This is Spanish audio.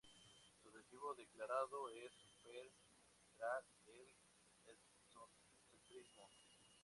Su objetivo declarado es superar el etnocentrismo.